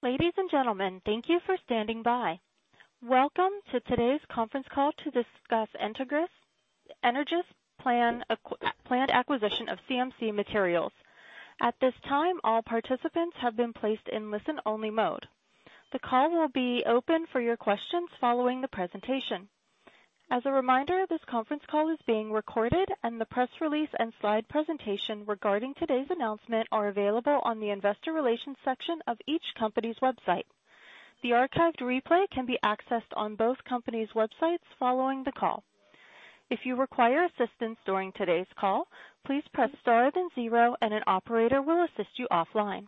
Ladies and gentlemen, thank you for standing by. Welcome to today's conference call to discuss Entegris planned acquisition of CMC Materials. At this time, all participants have been placed in listen-only mode. The call will be open for your questions following the presentation. As a reminder, this conference call is being recorded, and the press release and slide presentation regarding today's announcement are available on the investor relations section of each company's website. The archived replay can be accessed on both companies' websites following the call. If you require assistance during today's call, please press star then zero, and an operator will assist you offline.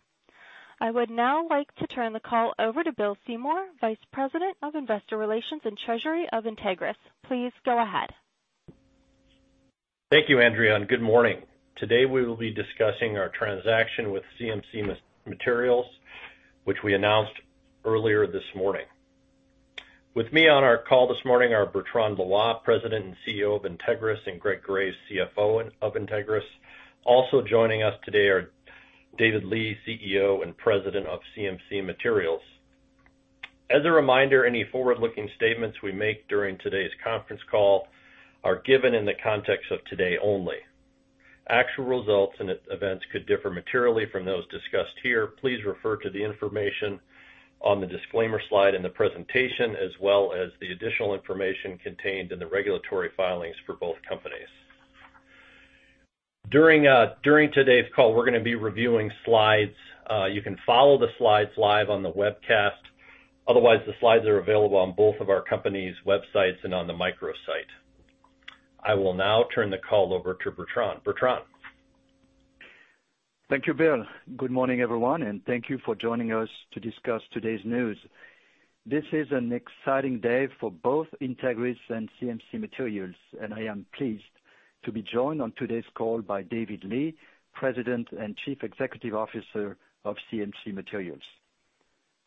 I would now like to turn the call over to Bill Seymour, Vice President of Investor Relations and Treasury of Entegris. Please go ahead. Thank you, Andrea, and good morning. Today, we will be discussing our transaction with CMC Materials, which we announced earlier this morning. With me on our call this morning are Bertrand Loy, President and Chief Executive Officer of Entegris, and Greg Graves, Chief Financial Officer of Entegris. Also joining us today are David Li, Chief Executive Officer and President of CMC Materials. As a reminder, any forward-looking statements we make during today's conference call are given in the context of today only. Actual results and events could differ materially from those discussed here. Please refer to the information on the disclaimer slide in the presentation, as well as the additional information contained in the regulatory filings for both companies. During today's call, we're gonna be reviewing slides. You can follow the slides live on the webcast. Otherwise, the slides are available on both of our company's websites and on the microsite. I will now turn the call over to Bertrand. Bertrand? Thank you, Bill. Good morning, everyone, and thank you for joining us to discuss today's news. This is an exciting day for both Entegris and CMC Materials, and I am pleased to be joined on today's call by David Li, President and Chief Executive Officer of CMC Materials.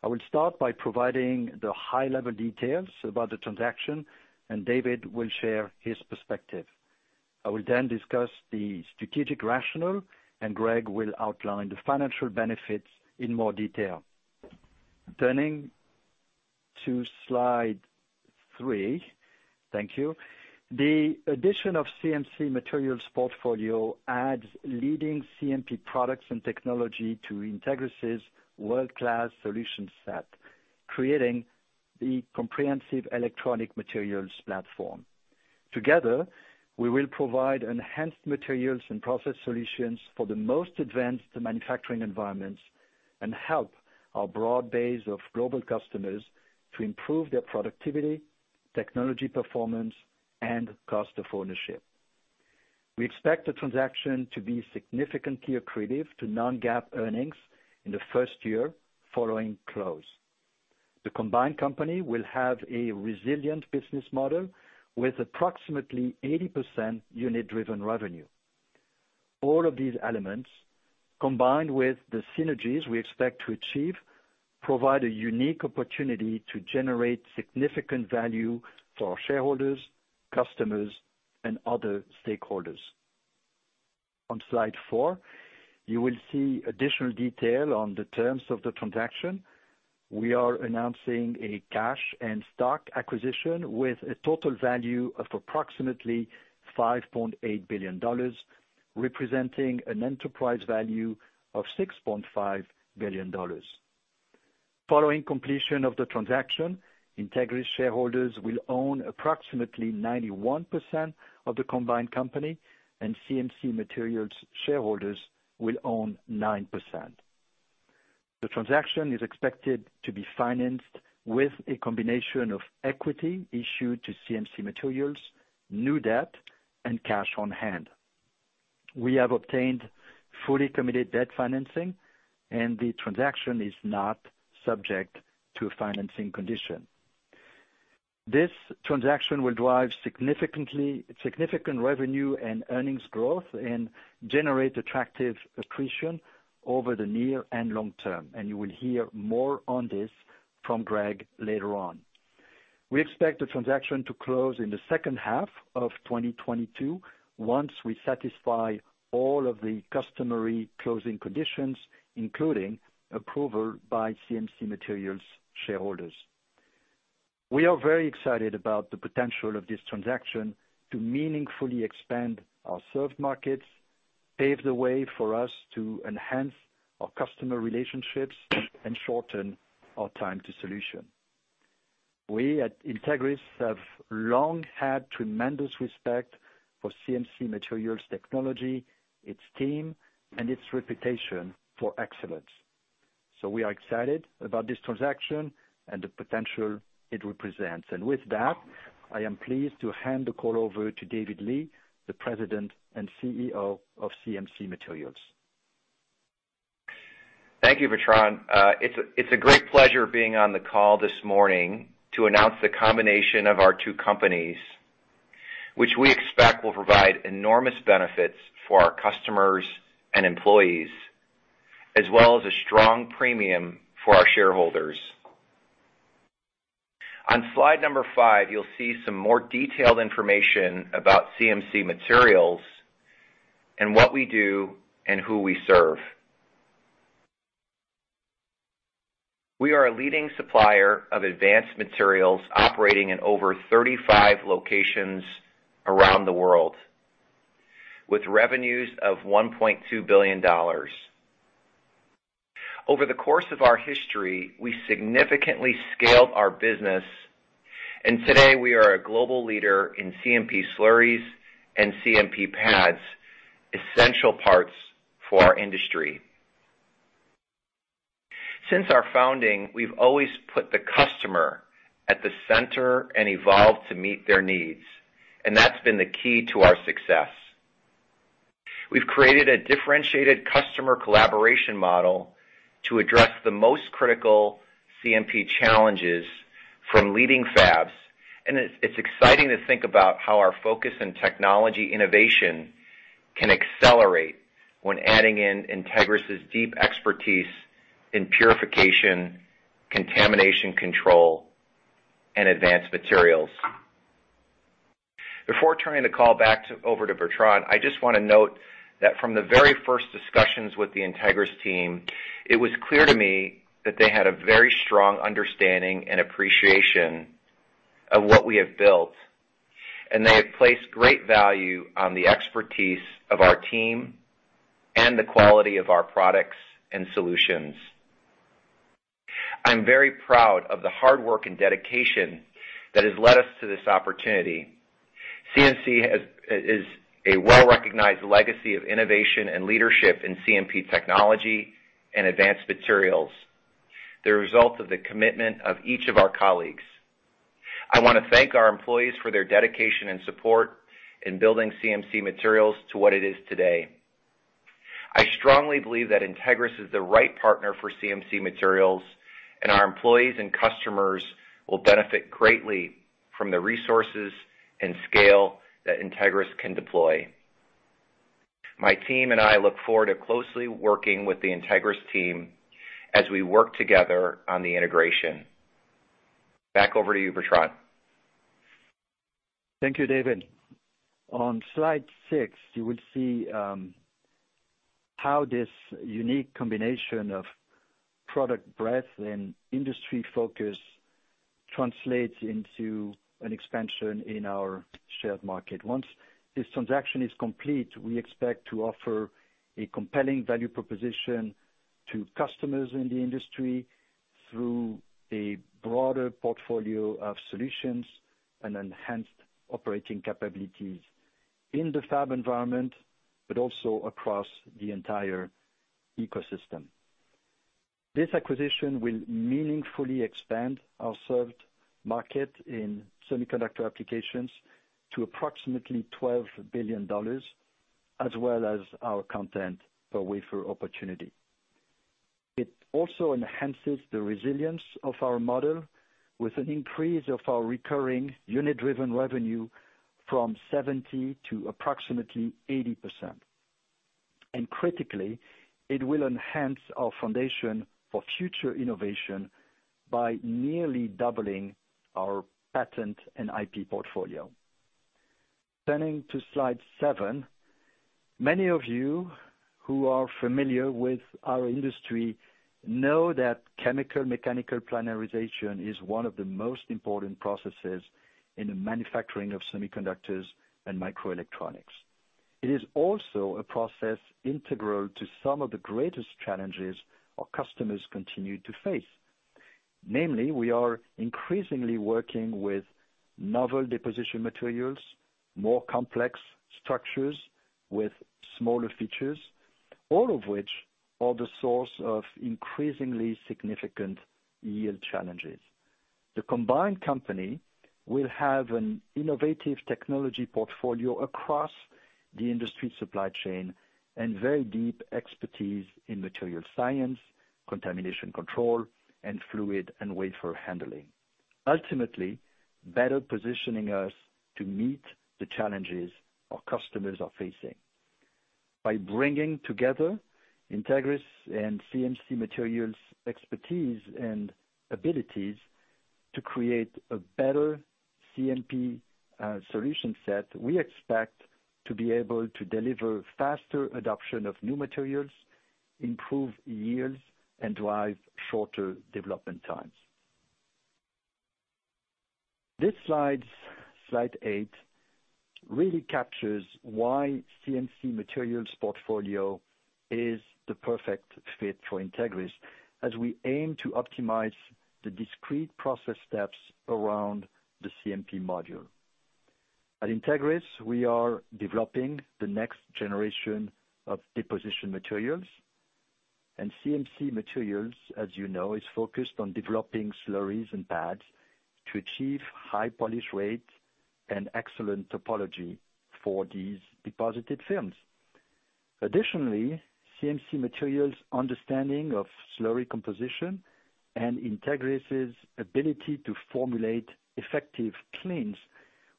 I will start by providing the high-level details about the transaction, and David will share his perspective. I will then discuss the strategic rationale, and Greg will outline the financial benefits in more detail. Turning to slide three. Thank you. The addition of CMC Materials' portfolio adds leading CMP products and technology to Entegris' world-class solution set, creating the comprehensive electronic materials platform. Together, we will provide enhanced materials and process solutions for the most advanced manufacturing environments and help our broad base of global customers to improve their productivity, technology performance, and cost of ownership. We expect the transaction to be significantly accretive to non-GAAP earnings in the first year following close. The combined company will have a resilient business model with approximately 80% unit-driven revenue. All of these elements, combined with the synergies we expect to achieve, provide a unique opportunity to generate significant value for our shareholders, customers, and other stakeholders. On slide four, you will see additional detail on the terms of the transaction. We are announcing a cash and stock acquisition with a total value of approximately $5.8 billion, representing an enterprise value of $6.5 billion. Following completion of the transaction, Entegris shareholders will own approximately 91% of the combined company, and CMC Materials shareholders will own 9%. The transaction is expected to be financed with a combination of equity issued to CMC Materials, new debt, and cash on hand. We have obtained fully committed debt financing, and the transaction is not subject to a financing condition. This transaction will drive significant revenue and earnings growth and generate attractive accretion over the near and long term, and you will hear more on this from Greg later on. We expect the transaction to close in the second half of 2022 once we satisfy all of the customary closing conditions, including approval by CMC Materials shareholders. We are very excited about the potential of this transaction to meaningfully expand our served markets, pave the way for us to enhance our customer relationships, and shorten our time to solution. We at Entegris have long had tremendous respect for CMC Materials technology, its team, and its reputation for excellence. We are excited about this transaction and the potential it represents. With that, I am pleased to hand the call over to David Li, the President and Chief Executive Officer of CMC Materials. Thank you, Bertrand. It's a great pleasure being on the call this morning to announce the combination of our two companies, which we expect will provide enormous benefits for our customers and employees, as well as a strong premium for our shareholders. On slide number five, you'll see some more detailed information about CMC Materials and what we do and who we serve. We are a leading supplier of advanced materials operating in over 35 locations around the world, with revenues of $1.2 billion. Over the course of our history, we significantly scaled our business, and today we are a global leader in CMP slurries and CMP pads, essential parts for our industry. Since our founding, we've always put the customer at the center and evolved to meet their needs, and that's been the key to our success. We've created a differentiated customer collaboration model to address the most critical CMP challenges from leading fabs, and it's exciting to think about how our focus in technology innovation can accelerate when adding in Entegris' deep expertise in purification, contamination control, and advanced materials. Before turning the call over to Bertrand, I just wanna note that from the very first discussions with the Entegris team, it was clear to me that they had a very strong understanding and appreciation of what we have built, and they have placed great value on the expertise of our team and the quality of our products and solutions. I'm very proud of the hard work and dedication that has led us to this opportunity. CMC is a well-recognized legacy of innovation and leadership in CMP technology and advanced materials, the result of the commitment of each of our colleagues. I wanna thank our employees for their dedication and support in building CMC Materials to what it is today. I strongly believe that Entegris is the right partner for CMC Materials, and our employees and customers will benefit greatly from the resources and scale that Entegris can deploy. My team and I look forward to closely working with the Entegris team as we work together on the integration. Back over to you, Bertrand. Thank you, David. On slide six, you will see how this unique combination of product breadth and industry focus translates into an expansion in our shared market. Once this transaction is complete, we expect to offer a compelling value proposition to customers in the industry through a broader portfolio of solutions and enhanced operating capabilities in the fab environment, but also across the entire ecosystem. This acquisition will meaningfully expand our served market in semiconductor applications to approximately $12 billion, as well as our content per wafer opportunity. It also enhances the resilience of our model with an increase of our recurring unit-driven revenue from 70% to approximately 80%. Critically, it will enhance our foundation for future innovation by nearly doubling our patent and IP portfolio. Turning to slide seven, many of you who are familiar with our industry know that chemical mechanical planarization is one of the most important processes in the manufacturing of semiconductors and microelectronics. It is also a process integral to some of the greatest challenges our customers continue to face. Namely, we are increasingly working with novel deposition materials, more complex structures with smaller features, all of which are the source of increasingly significant yield challenges. The combined company will have an innovative technology portfolio across the industry supply chain and very deep expertise in material science, contamination control, and fluid and wafer handling. Ultimately, better positioning us to meet the challenges our customers are facing. By bringing together Entegris and CMC Materials' expertise and abilities to create a better CMP solution set, we expect to be able to deliver faster adoption of new materials, improve yields, and drive shorter development times. This slide eight, really captures why CMC Materials' portfolio is the perfect fit for Entegris, as we aim to optimize the discrete process steps around the CMP module. At Entegris, we are developing the next generation of deposition materials, and CMC Materials, as you know, is focused on developing slurries and pads to achieve high polish rate and excellent topography for these deposited films. Additionally, CMC Materials' understanding of slurry composition and Entegris's ability to formulate effective cleans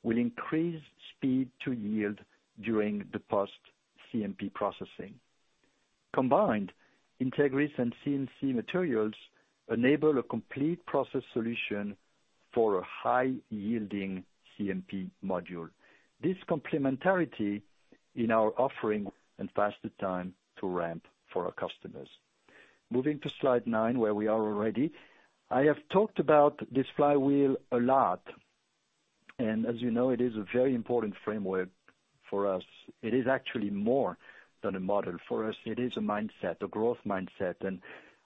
will increase speed to yield during the post CMP processing. Combined, Entegris and CMC Materials enable a complete process solution for a high yielding CMP module. This complementarity in our offering and faster time to ramp for our customers. Moving to slide nine, where we are already. I have talked about this flywheel a lot, and as you know, it is a very important framework for us. It is actually more than a model. For us, it is a mindset, a growth mindset, and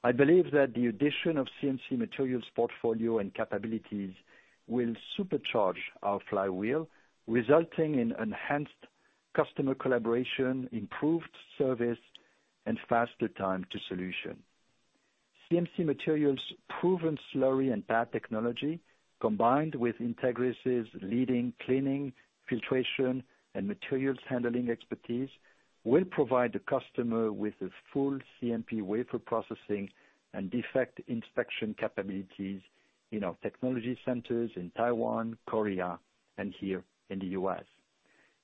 I believe that the addition of CMC Materials' portfolio and capabilities will supercharge our flywheel, resulting in enhanced customer collaboration, improved service and faster time to solution. CMC Materials' proven slurry and pad technology, combined with Entegris' leading cleaning, filtration, and materials handling expertise, will provide the customer with a full CMP wafer processing and defect inspection capabilities in our technology centers in Taiwan, Korea, and here in the U.S.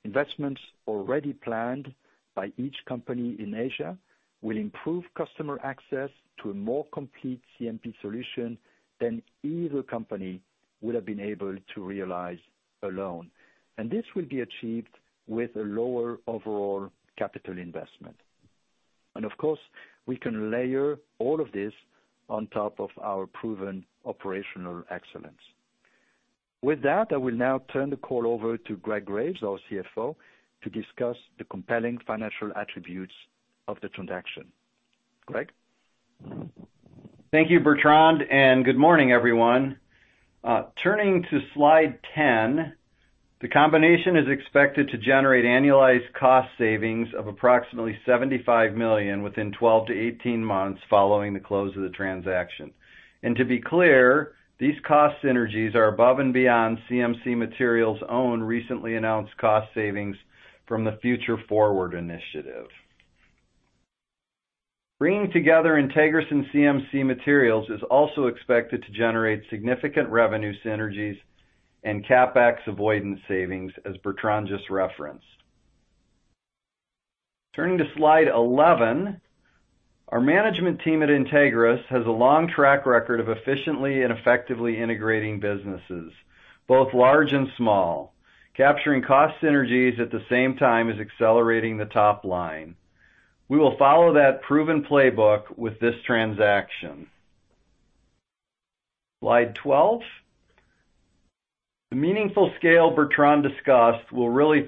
Investments already planned by each company in Asia will improve customer access to a more complete CMP solution than either company would have been able to realize alone, and this will be achieved with a lower overall capital investment. Of course, we can layer all of this on top of our proven operational excellence. With that, I will now turn the call over to Greg Graves, our Chief Financial Officer, to discuss the compelling financial attributes of the transaction. Greg? Thank you, Bertrand, and good morning, everyone. Turning to slide 10. The combination is expected to generate annualized cost savings of approximately $75 million within 12-18 months following the close of the transaction. To be clear, these cost synergies are above and beyond CMC Materials' own recently announced cost savings from the Future Forward initiative. Bringing together Entegris and CMC Materials is also expected to generate significant revenue synergies and CapEx avoidance savings, as Bertrand just referenced. Turning to slide 11. Our management team at Entegris has a long track record of efficiently and effectively integrating businesses, both large and small, capturing cost synergies at the same time as accelerating the top line. We will follow that proven playbook with this transaction. Slide 12. The meaningful scale Bertrand discussed will really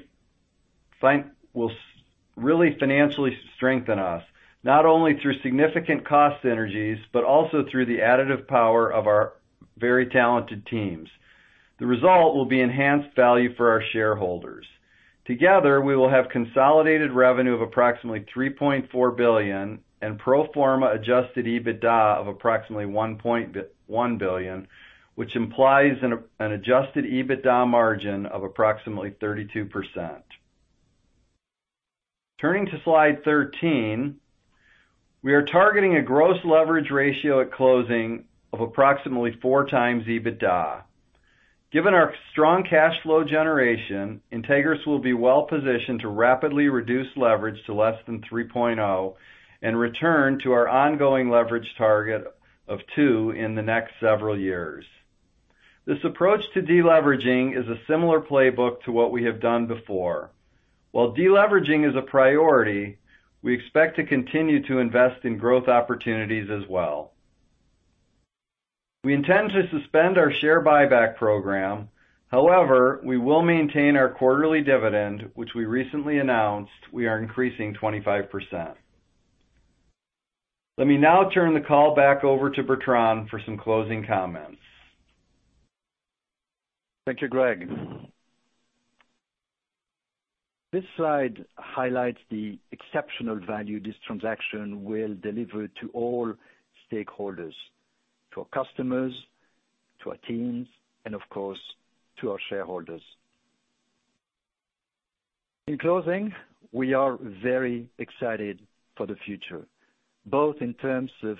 financially strengthen us, not only through significant cost synergies, but also through the additive power of our very talented teams. The result will be enhanced value for our shareholders. Together, we will have consolidated revenue of approximately $3.4 billion and pro forma adjusted EBITDA of approximately $1 billion, which implies an adjusted EBITDA margin of approximately 32%. Turning to slide 13. We are targeting a gross leverage ratio at closing of approximately 4x EBITDA. Given our strong cash flow generation, Entegris will be well positioned to rapidly reduce leverage to less than 3.0 and return to our ongoing leverage target of two in the next several years. This approach to deleveraging is a similar playbook to what we have done before. While deleveraging is a priority, we expect to continue to invest in growth opportunities as well. We intend to suspend our share buyback program. However, we will maintain our quarterly dividend, which we recently announced we are increasing 25%. Let me now turn the call back over to Bertrand for some closing comments. Thank you, Greg. This slide highlights the exceptional value this transaction will deliver to all stakeholders, to our customers, to our teams, and of course, to our shareholders. In closing, we are very excited for the future, both in terms of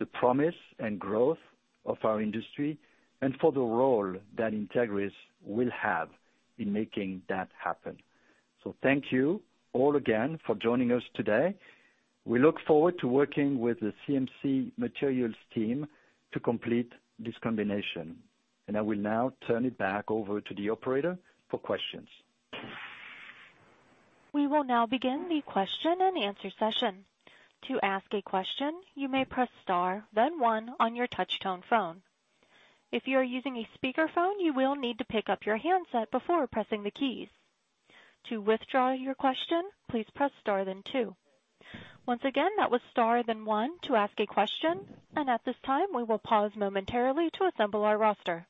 the promise and growth of our industry and for the role that Entegris will have in making that happen. Thank you all again for joining us today. We look forward to working with the CMC Materials team to complete this combination, and I will now turn it back over to the operator for questions. We will now begin the question and answer session. To ask a question, you may press star then one on your touch tone phone. If you are using a speaker phone, you will need to pick up your handset before pressing the keys. To withdraw your question, please press star then two. Once again, that was star then one to ask a question, and at this time, we will pause momentarily to assemble our roster.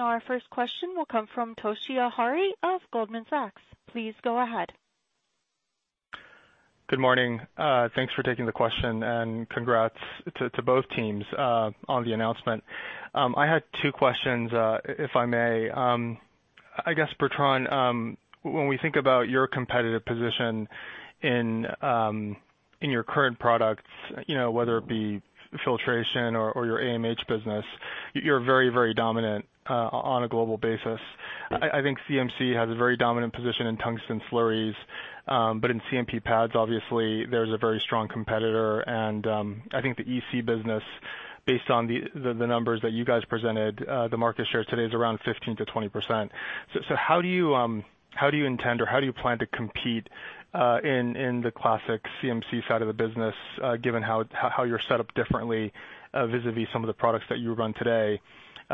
Our first question will come from Toshiya Hari of Goldman Sachs, please go ahead. Good morning. Thanks for taking the question and congrats to both teams on the announcement. I had two questions, if I may. I guess, Bertrand, when we think about your competitive position in your current products, you know, whether it be filtration or your AMH business, you're very dominant on a global basis. I think CMC has a very dominant position in tungsten slurries, but in CMP pads, obviously there's a very strong competitor. I think the EC business, based on the numbers that you guys presented, the market share today is around 15%-20%. How do you intend or how do you plan to compete in the classic CMC side of the business, given how you're set up differently vis-a-vis some of the products that you run today?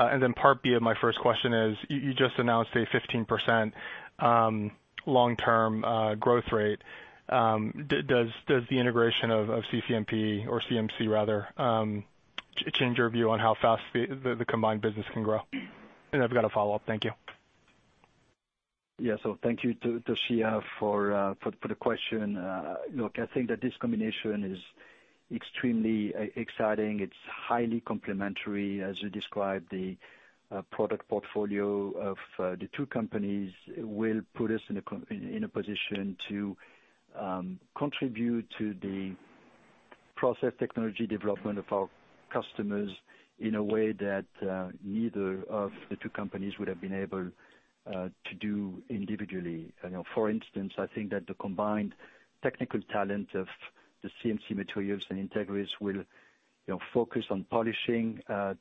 And then part B of my first question is, you just announced a 15% long-term growth rate. Does the integration of CCMP or CMC rather change your view on how fast the combined business can grow? And I've got a follow-up. Thank you. Yeah. Thank you to Toshiya for the question. Look, I think that this combination is extremely exciting. It's highly complementary, as you described. The product portfolio of the two companies will put us in a position to contribute to the process technology development of our customers in a way that neither of the two companies would have been able to do individually. You know, for instance, I think that the combined technical talent of the CMC Materials and Entegris will, you know, focus on polishing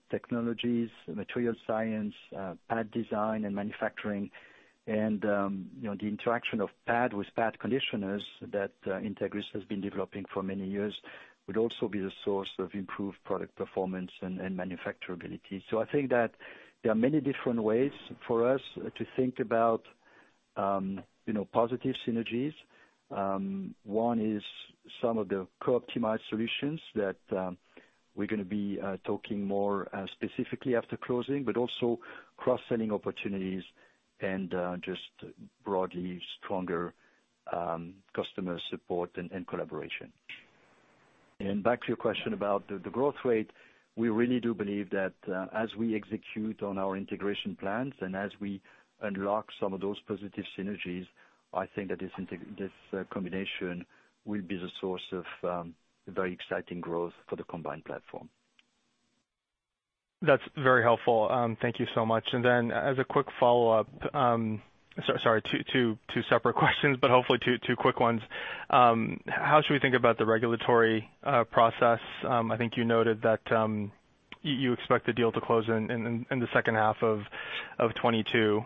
technologies, materials science, pad design and manufacturing. You know, the interaction of pad with pad conditioners that Entegris has been developing for many years would also be the source of improved product performance and manufacturability. I think that there are many different ways for us to think about, you know, positive synergies. One is some of the co-optimized solutions that we're gonna be talking more specifically after closing, but also cross-selling opportunities and just broadly stronger customer support and collaboration. Back to your question about the growth rate, we really do believe that as we execute on our integration plans and as we unlock some of those positive synergies, I think that this combination will be the source of very exciting growth for the combined platform. That's very helpful. Thank you so much. As a quick follow-up, sorry, two separate questions, but hopefully two quick ones. How should we think about the regulatory process? I think you noted that you expect the deal to close in the second half of 2022.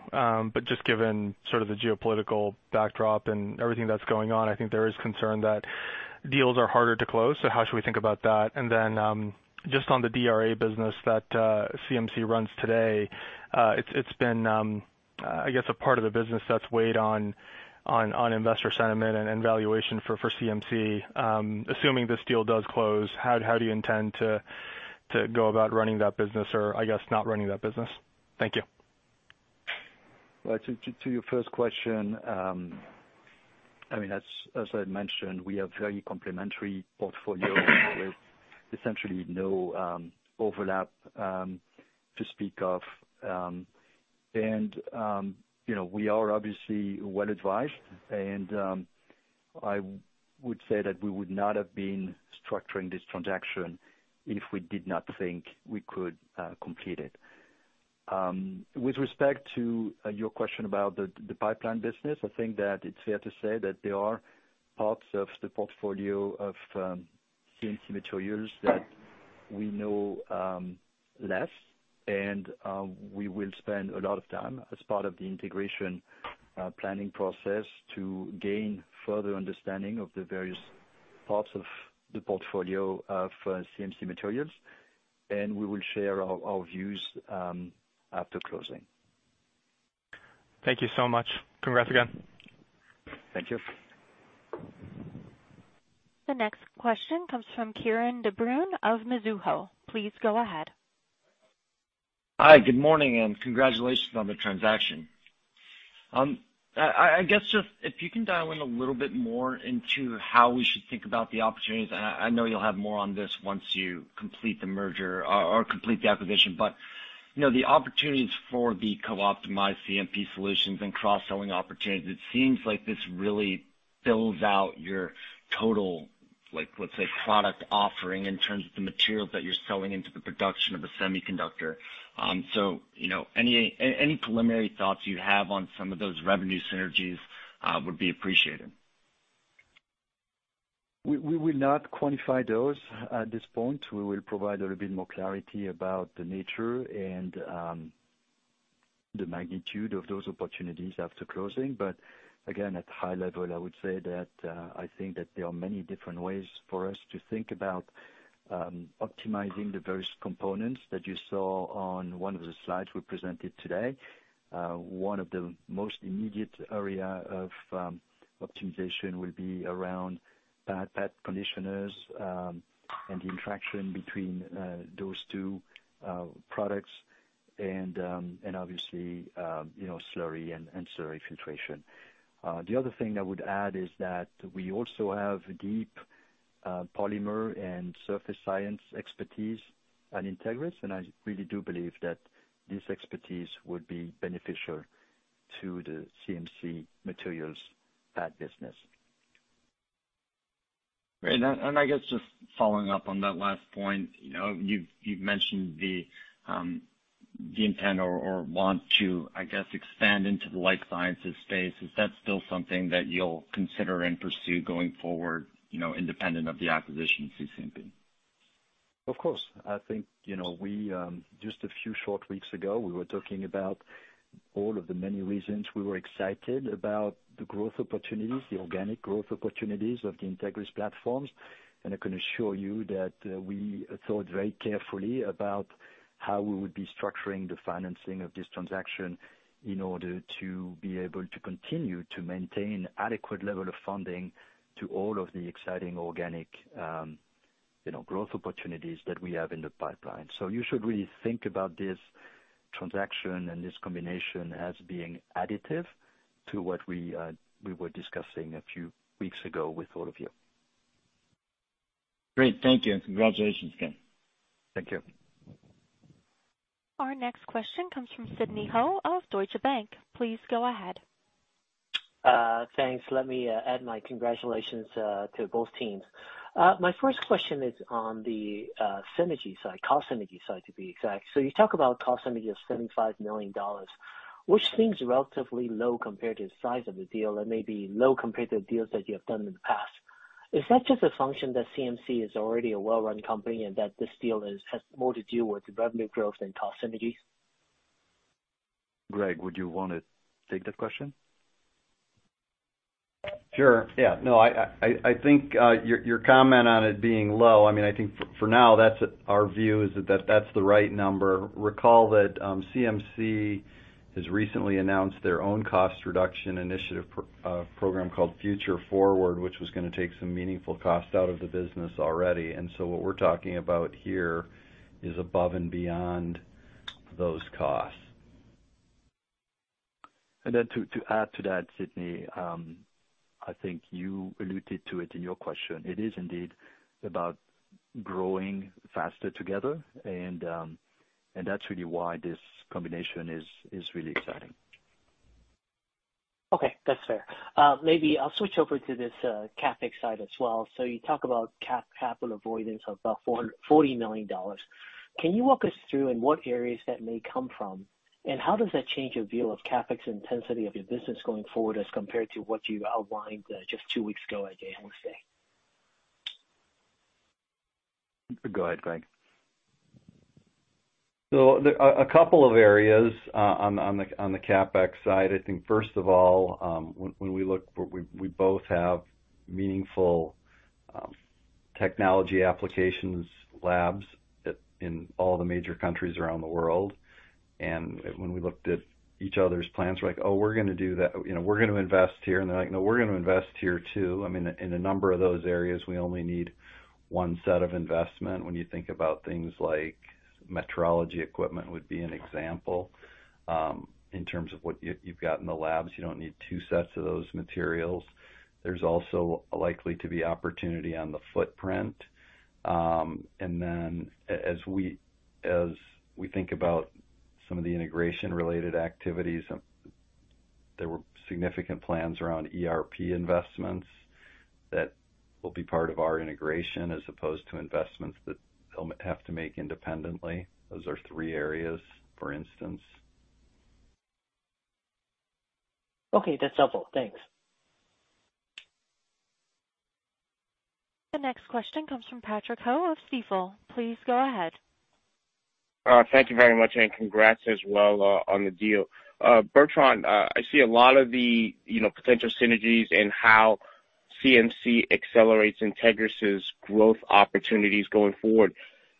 But just given sort of the geopolitical backdrop and everything that's going on, I think there is concern that deals are harder to close. How should we think about that? Just on the PIM business that CMC runs today, it's been, I guess a part of the business that's weighed on investor sentiment and valuation for CMC. Assuming this deal does close, how do you intend to go about running that business or, I guess, not running that business? Thank you. Well, to your first question, I mean, as I mentioned, we have very complementary portfolio with essentially no overlap to speak of. You know, we are obviously well advised and I would say that we would not have been structuring this transaction if we did not think we could complete it. With respect to your question about the pipeline business, I think that it's fair to say that there are parts of the portfolio of CMC Materials that we know less, and we will spend a lot of time as part of the integration planning process to gain further understanding of the various parts of the portfolio of CMC Materials, and we will share our views after closing. Thank you so much. Congrats again. Thank you. The next question comes from Kieran de Brun of Mizuho, please go ahead. Hi, good morning, and congratulations on the transaction. I guess just if you can dial in a little bit more into how we should think about the opportunities. I know you'll have more on this once you complete the merger or complete the acquisition, but you know, the opportunities for the co-optimized CMP solutions and cross-selling opportunities. It seems like this really builds out your total, like, let's say, product offering in terms of the materials that you're selling into the production of the semiconductor. You know, any preliminary thoughts you have on some of those revenue synergies would be appreciated. We will not quantify those at this point. We will provide a little bit more clarity about the nature and the magnitude of those opportunities after closing. Again, at high level, I would say that I think that there are many different ways for us to think about optimizing the various components that you saw on one of the slides we presented today. One of the most immediate area of optimization will be around pad conditioners and the interaction between those two products and obviously you know slurry and slurry filtration. The other thing I would add is that we also have deep polymer and surface science expertise at Entegris, and I really do believe that this expertise would be beneficial to the CMC Materials pad business. Great. I guess just following up on that last point, you know, you've mentioned the intent or want to, I guess, expand into the life sciences space. Is that still something that you'll consider and pursue going forward, you know, independent of the acquisition of CMC? Of course. I think, you know, we just a few short weeks ago, we were talking about all of the many reasons we were excited about the growth opportunities, the organic growth opportunities of the Entegris platforms. I can assure you that we thought very carefully about how we would be structuring the financing of this transaction in order to be able to continue to maintain adequate level of funding to all of the exciting organic, you know, growth opportunities that we have in the pipeline. You should really think about this transaction and this combination as being additive to what we were discussing a few weeks ago with all of you. Great. Thank you, and congratulations again. Thank you. Our next question comes from Sidney Ho of Deutsche Bank, please go ahead. Thanks. Let me add my congratulations to both teams. My first question is on the synergy side, cost synergy side, to be exact. You talk about cost synergy of $75 million, which seems relatively low compared to the size of the deal and maybe low compared to deals that you have done in the past. Is that just a function that CMC is already a well-run company and that this deal is, has more to do with revenue growth than cost synergies? Greg, would you wanna take that question? Sure. Yeah. No, I think your comment on it being low, I mean, I think for now, that's our view is that's the right number. Recall that, CMC has recently announced their own cost reduction initiative program called Future Forward, which was gonna take some meaningful cost out of the business already. What we're talking about here is above and beyond those costs. To add to that, Sidney, I think you alluded to it in your question. It is indeed about growing faster together and that's really why this combination is really exciting. Okay. That's fair. Maybe I'll switch over to this, CapEx side as well. You talk about capital avoidance of about $440 million. Can you walk us through in what areas that may come from, and how does that change your view of CapEx intensity of your business going forward as compared to what you outlined just two weeks ago at Analyst Day? Go ahead, Greg. A couple of areas on the CapEx side. I think first of all, when we look, we both have meaningful technology applications labs in all the major countries around the world. When we looked at each other's plans, we're like, Oh, we're gonna do that. You know, we're gonna invest here. They're like, No, we're gonna invest here too. I mean, in a number of those areas, we only need one set of investment. When you think about things like metrology equipment would be an example, in terms of what you've got in the labs, you don't need two sets of those materials. There's also likely to be opportunity on the footprint. As we think about some of the integration related activities, there were significant plans around ERP investments that will be part of our integration as opposed to investments that they'll have to make independently. Those are three areas, for instance. Okay. That's helpful. Thanks. The next question comes from Patrick Ho of Stifel, please go ahead. Thank you very much, and congrats as well on the deal. Bertrand, I see a lot of the, you know, potential synergies in how CMC accelerates Entegris' growth opportunities going forward.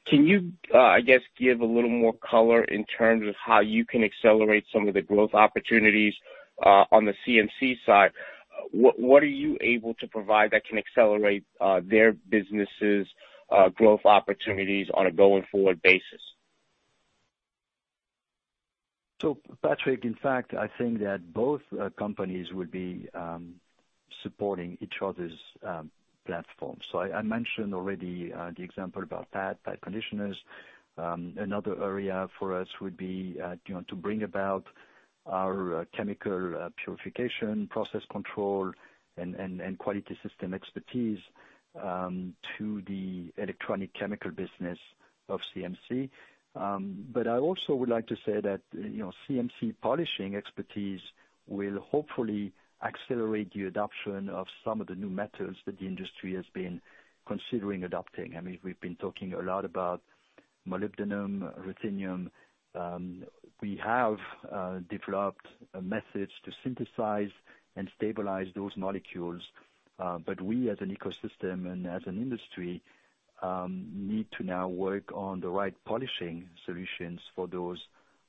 Can you, I guess, give a little more color in terms of how you can accelerate some of the growth opportunities on the CMC side? What are you able to provide that can accelerate their businesses' growth opportunities on a going forward basis? Patrick, in fact, I think that both companies would be supporting each other's platforms. I mentioned already the example about pad conditioners. Another area for us would be, you know, to bring about our chemical purification process control and quality system expertise to the electronic chemicals business of CMC. I also would like to say that, you know, CMC polishing expertise will hopefully accelerate the adoption of some of the new methods that the industry has been considering adopting. I mean, we've been talking a lot about molybdenum, ruthenium. We have developed methods to synthesize and stabilize those molecules, but we as an ecosystem and as an industry need to now work on the right polishing solutions for those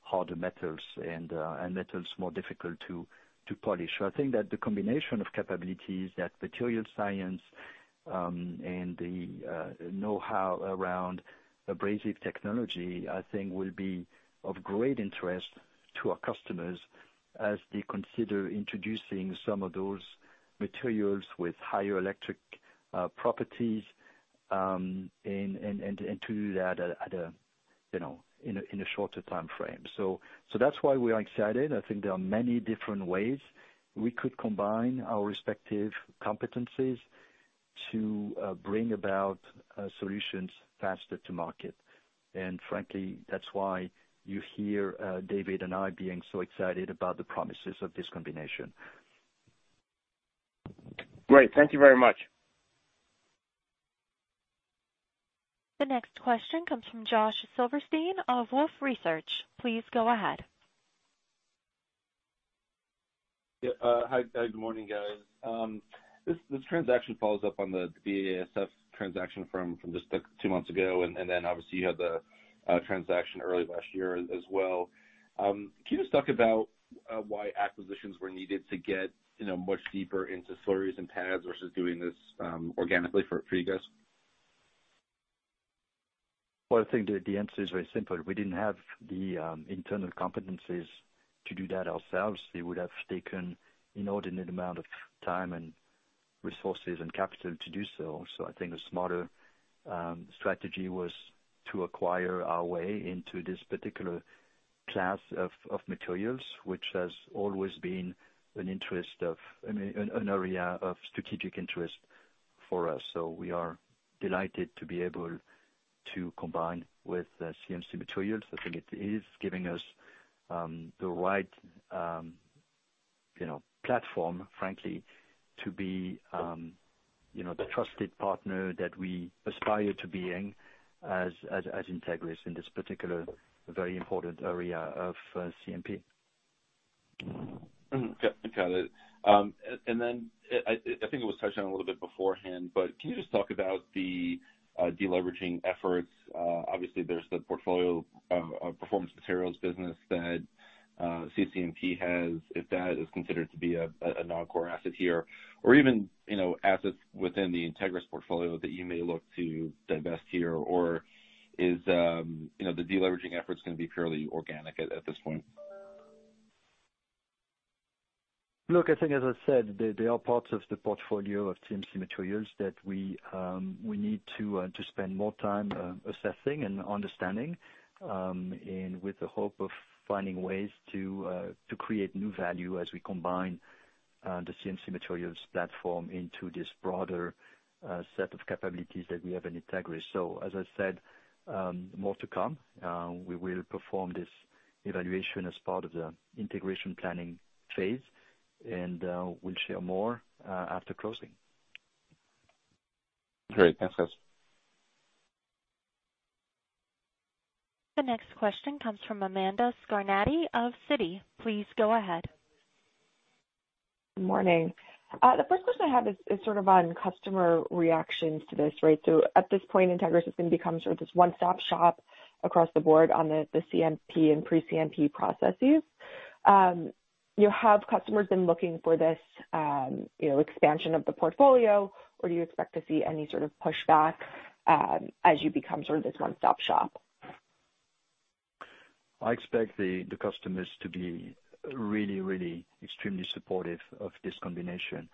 harder metals and metals more difficult to polish. I think that the combination of capabilities that materials science and the know-how around abrasive technology, I think will be of great interest to our customers as they consider introducing some of those materials with higher electrical properties, and to do that at a, you know, in a shorter time frame. That's why we are excited. I think there are many different ways we could combine our respective competencies to bring about solutions faster to market. Frankly, that's why you hear David and I being so excited about the promises of this combination. Great. Thank you very much. The next question comes from Josh Silverstein of Wolfe Research, please go ahead. Yeah. Hi. Good morning, guys? This transaction follows up on the BASF transaction from just like two months ago, and then obviously you had the transaction early last year as well. Can you just talk about why acquisitions were needed to get, you know, much deeper into slurries and pads versus doing this organically for you guys? Well, I think the answer is very simple. We didn't have the internal competencies to do that ourselves. It would have taken inordinate amount of time and resources and capital to do so. I think a smarter strategy was to acquire our way into this particular class of materials, which has always been an area of strategic interest for us. We are delighted to be able to combine with CMC Materials. I think it is giving us the right, you know, platform, frankly, to be, you know, the trusted partner that we aspire to being as Entegris in this particular very important area of CMP. Got it. Then I think it was touched on a little bit beforehand, but can you just talk about the de-leveraging efforts? Obviously there's the portfolio of Performance Materials business that CCMP has. If that is considered to be a non-core asset here or even, you know, assets within the Entegris portfolio that you may look to divest here or is, you know, the de-leveraging efforts gonna be purely organic at this point? Look, I think as I said, there are parts of the portfolio of CMC Materials that we need to spend more time assessing and understanding, and with the hope of finding ways to create new value as we combine the CMC Materials platform into this broader set of capabilities that we have in Entegris. As I said, more to come. We will perform this evaluation as part of the integration planning phase, and we'll share more after closing. Great. Thanks, guys. The next question comes from Amanda Scarnati of Citi, please go ahead. Morning? The first question I have is sort of on customer reactions to this, right? At this point, Entegris is gonna become sort of this one-stop shop across the board on the CMP and pre-CMP processes. Have your customers been looking for this, you know, expansion of the portfolio, or do you expect to see any sort of pushback as you become sort of this one-stop shop? I expect the customers to be really extremely supportive of this combination.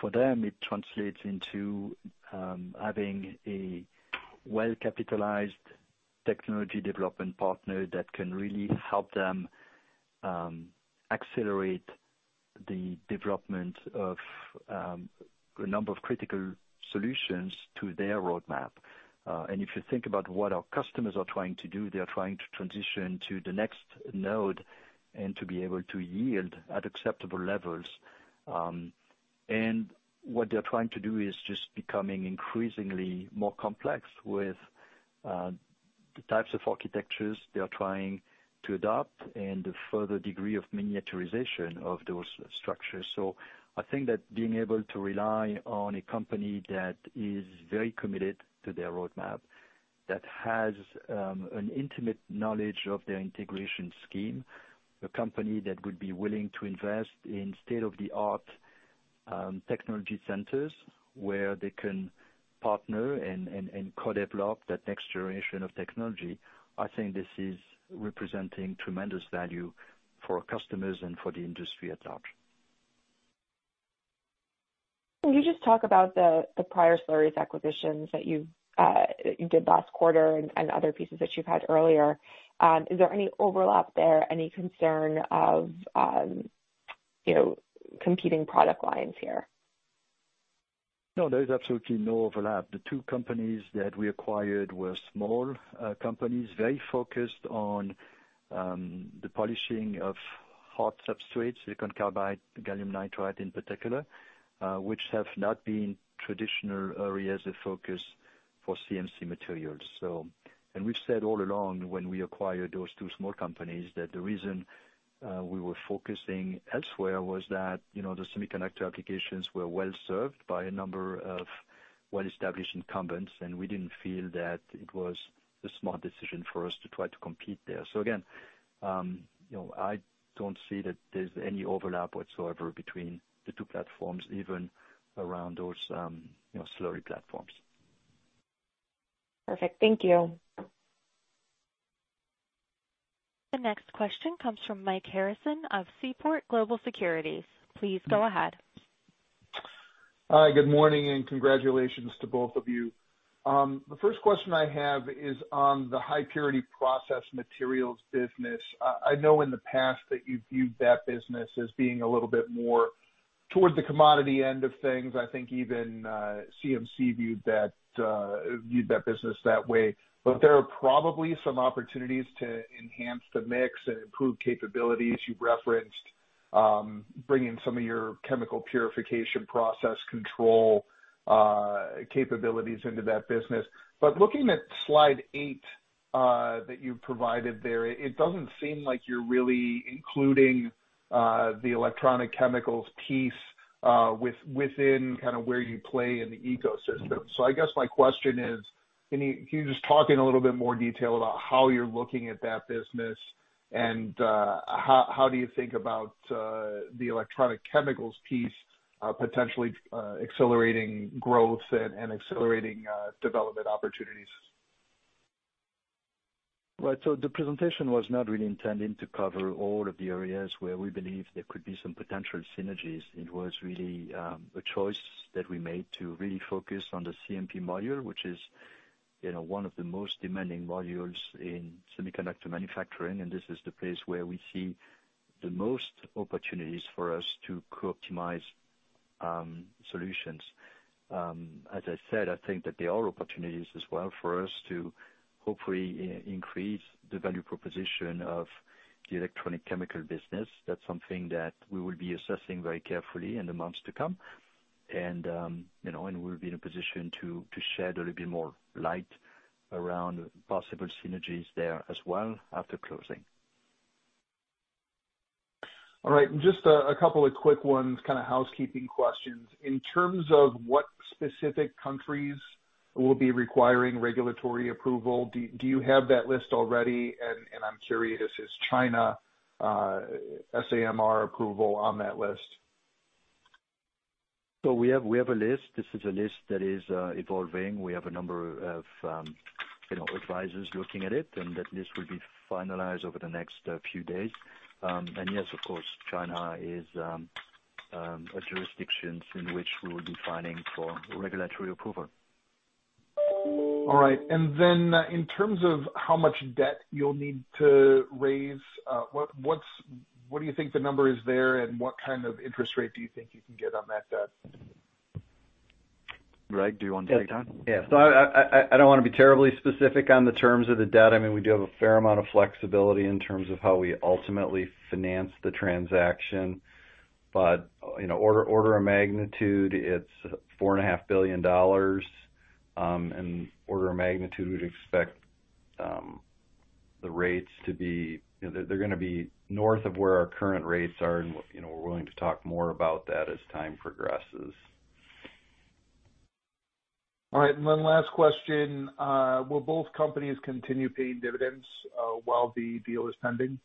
For them, it translates into having a well-capitalized technology development partner that can really help them accelerate the development of a number of critical solutions to their roadmap. If you think about what our customers are trying to do, they are trying to transition to the next node and to be able to yield at acceptable levels. What they're trying to do is just becoming increasingly more complex with the types of architectures they are trying to adopt and the further degree of miniaturization of those structures. I think that being able to rely on a company that is very committed to their roadmap, that has an intimate knowledge of their integration scheme, a company that would be willing to invest in state-of-the-art technology centers where they can partner and co-develop that next generation of technology, I think this is representing tremendous value for our customers and for the industry at large. Can you just talk about the prior slurries acquisitions that you did last quarter and other pieces that you've had earlier? Is there any overlap there? Any concern of, you know, competing product lines here? No, there is absolutely no overlap. The two companies that we acquired were small, companies, very focused on, the polishing of hard substrates, silicon carbide, gallium nitride in particular, which have not been traditional areas of focus for CMC Materials. We've said all along when we acquired those two small companies that the reason, we were focusing elsewhere was that, you know, the semiconductor applications were well served by a number of well-established incumbents, and we didn't feel that it was a smart decision for us to try to compete there. Again, you know, I don't see that there's any overlap whatsoever between the two platforms, even around those, you know, slurry platforms. Perfect. Thank you. The next question comes from Mike Harrison of Seaport Research Partners, please go ahead. Hi, good morning, and congratulations to both of you. The first question I have is on the high purity process materials business. I know in the past that you viewed that business as being a little bit more towards the commodity end of things. I think even CMC viewed that business that way. There are probably some opportunities to enhance the mix and improve capabilities. You've referenced bringing some of your chemical purification process control capabilities into that business. Looking at slide eight that you've provided there, it doesn't seem like you're really including the electronic chemicals piece within kinda where you play in the ecosystem. I guess my question is, can you just talk in a little bit more detail about how you're looking at that business and, how do you think about the electronic chemicals piece, potentially accelerating growth and accelerating development opportunities? Right. The presentation was not really intending to cover all of the areas where we believe there could be some potential synergies. It was really a choice that we made to really focus on the CMP module, which is, you know, one of the most demanding modules in semiconductor manufacturing, and this is the place where we see the most opportunities for us to co-optimize solutions. As I said, I think that there are opportunities as well for us to hopefully increase the value proposition of the Electronic Chemicals business. That's something that we will be assessing very carefully in the months to come. You know, we'll be in a position to shed a little bit more light around possible synergies there as well after closing. All right. Just a couple of quick ones, kinda housekeeping questions. In terms of what specific countries will be requiring regulatory approval, do you have that list already? I'm curious, is China SAMR approval on that list? We have a list. This is a list that is evolving. We have a number of you know advisors looking at it, and that list will be finalized over the next few days. Yes, of course, China is a jurisdiction in which we will be filing for regulatory approval. All right. In terms of how much debt you'll need to raise, what do you think the number is there, and what kind of interest rate do you think you can get on that debt? Greg, do you want to take that? I don't wanna be terribly specific on the terms of the debt. I mean, we do have a fair amount of flexibility in terms of how we ultimately finance the transaction. You know, order of magnitude, it's $4.5 billion. Order of magnitude, we'd expect the rates to be. You know, they're gonna be north of where our current rates are, and you know, we're willing to talk more about that as time progresses. All right. Last question. Will both companies continue paying dividends while the deal is pending?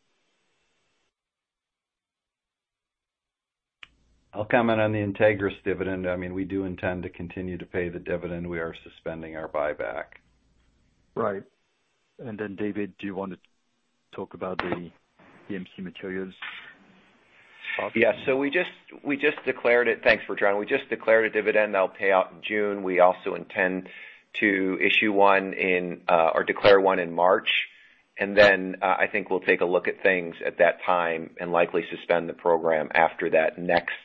I'll comment on the Entegris dividend. I mean, we do intend to continue to pay the dividend. We are suspending our buyback. Right. David, do you want to talk about the CMC Materials? Yeah. We just declared it. Thanks, Bertrand. We just declared a dividend that'll pay out in June. We also intend to issue one in, or declare one in March. I think we'll take a look at things at that time and likely suspend the program after that next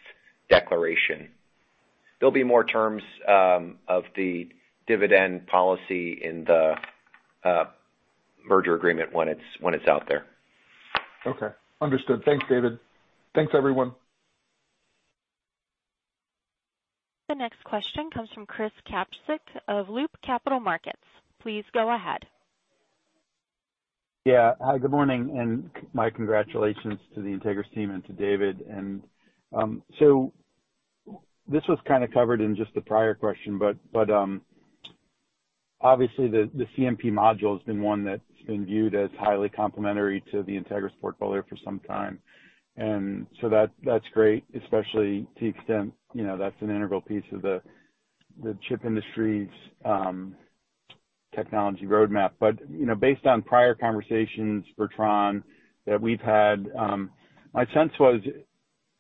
declaration. There'll be more terms of the dividend policy in the merger agreement when it's out there. Okay. Understood. Thanks, David. Thanks, everyone. The next question comes from Chris Kapsch of Loop Capital Markets, please go ahead. Yeah. Hi, good morning, and my congratulations to the Entegris team and to David. This was kinda covered in just the prior question, but obviously, the CMP module's been one that's been viewed as highly complementary to the Entegris portfolio for some time. That's great, especially to the extent, you know, that's an integral piece of the chip industry's technology roadmap. You know, based on prior conversations, Bertrand, that we've had, my sense was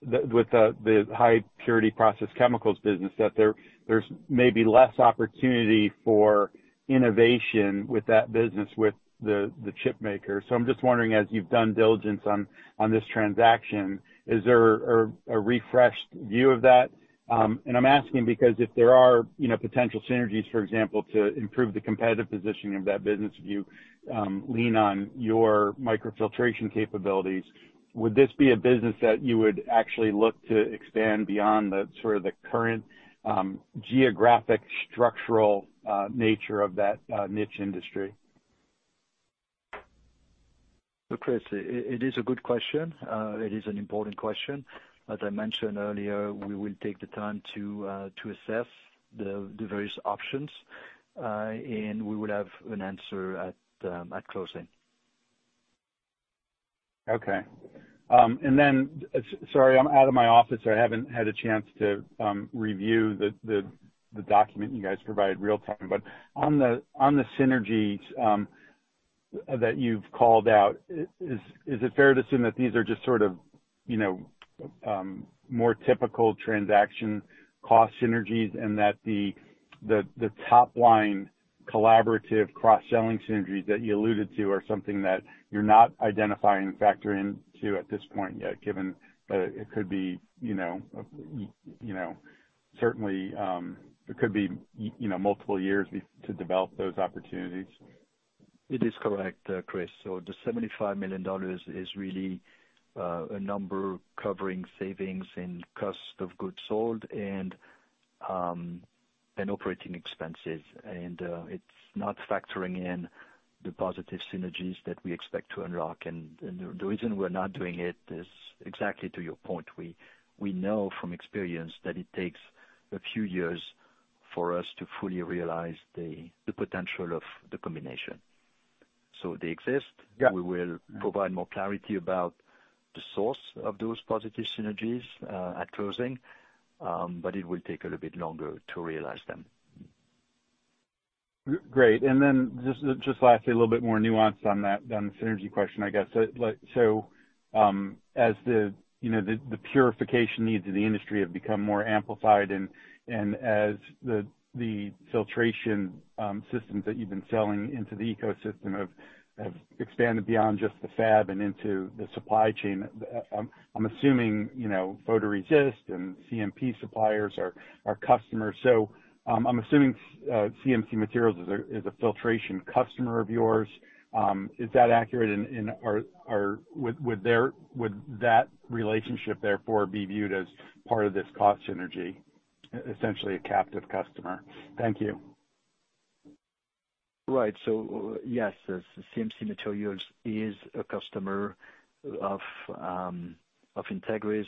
with the high purity processed chemicals business, that there's maybe less opportunity for innovation with that business with the chip maker. I'm just wondering, as you've done diligence on this transaction, is there a refreshed view of that? I'm asking because if there are, you know, potential synergies, for example, to improve the competitive positioning of that business if you lean on your microfiltration capabilities, would this be a business that you would actually look to expand beyond the sort of current geographic structural nature of that niche industry? Chris, it is a good question. It is an important question. As I mentioned earlier, we will take the time to assess the various options, and we will have an answer at closing. Okay. Sorry, I'm out of my office so I haven't had a chance to review the document you guys provided real time. On the synergies that you've called out, is it fair to assume that these are just sort of, you know, more typical transaction cost synergies and that the top line collaborative cross-selling synergies that you alluded to are something that you're not identifying and factoring in at this point yet, given that it could be, you know, certainly multiple years before to develop those opportunities? It is correct, Chris. The $75 million is really a number covering savings in cost of goods sold and operating expenses. It's not factoring in the positive synergies that we expect to unlock. The reason we're not doing it is exactly to your point. We know from experience that it takes a few years for us to fully realize the potential of the combination. They exist. Yeah. We will provide more clarity about the source of those positive synergies at closing, but it will take a little bit longer to realize them. Great. Just lastly, a little bit more nuanced on that, on the synergy question, I guess. Like, as you know, the purification needs of the industry have become more amplified and as the filtration systems that you've been selling into the ecosystem have expanded beyond just the fab and into the supply chain, I'm assuming, you know, photoresist and CMP suppliers are customers. I'm assuming, CMC Materials is a filtration customer of yours. Is that accurate? Would that relationship therefore be viewed as part of this cost synergy, essentially a captive customer? Thank you. Right. Yes, CMC Materials is a customer of Entegris.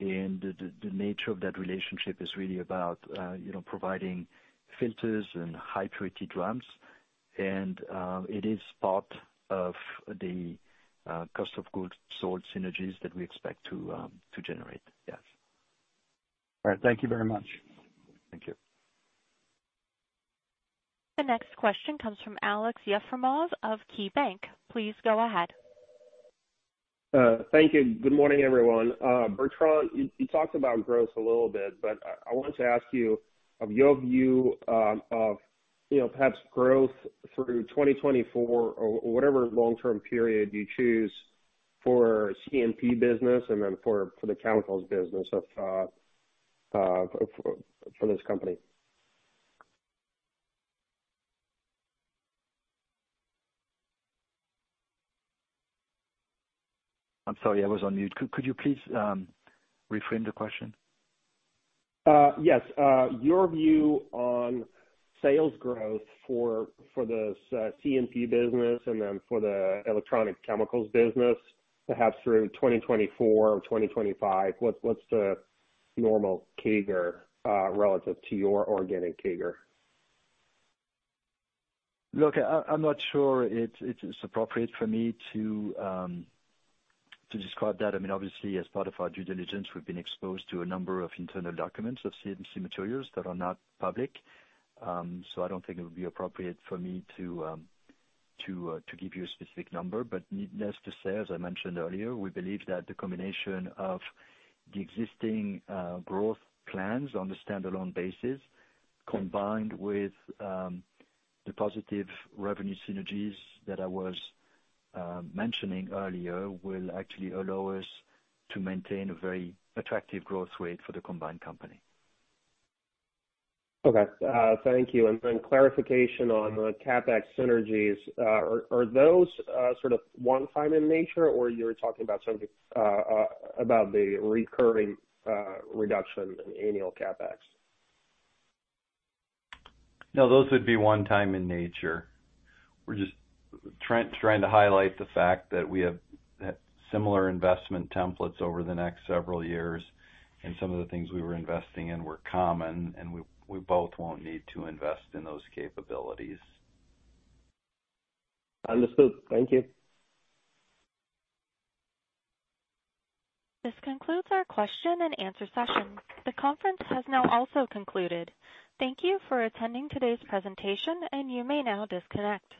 The nature of that relationship is really about, you know, providing filters and high-purity drums. It is part of the cost of goods sold synergies that we expect to generate. Yes. All right. Thank you very much. Thank you. The next question comes from Alex Yefremov of KeyBanc. Please go ahead. Thank you. Good morning, everyone. Bertrand Loy, you talked about growth a little bit, but I wanted to ask you of your view of, you know, perhaps growth through 2024 or whatever long-term period you choose for CMP business and then for the chemicals business of this company. I'm sorry, I was on mute. Could you please reframe the question? Your view on sales growth for the s-CMP business and then for the Electronic Chemicals business, perhaps through 2024 or 2025, what's the nominal CAGR relative to your organic CAGR? Look, I'm not sure it's appropriate for me to describe that. I mean, obviously as part of our due diligence, we've been exposed to a number of internal documents of CMC Materials that are not public. I don't think it would be appropriate for me to give you a specific number. Needless to say, as I mentioned earlier, we believe that the combination of the existing growth plans on a standalone basis, combined with the positive revenue synergies that I was mentioning earlier, will actually allow us to maintain a very attractive growth rate for the combined company. Okay. Thank you. Clarification on the CapEx synergies. Are those sort of one-time in nature or you're talking about something about the recurring reduction in annual CapEx? No, those would be one time in nature. We're just trying to highlight the fact that we have similar investment templates over the next several years, and some of the things we were investing in were common, and we both won't need to invest in those capabilities. Understood. Thank you. This concludes our question and answer session. The conference has now also concluded. Thank you for attending today's presentation, and you may now disconnect.